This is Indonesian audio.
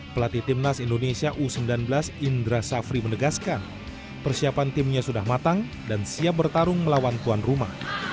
pelatih timnas indonesia u sembilan belas indra safri menegaskan persiapan timnya sudah matang dan siap bertarung melawan tuan rumah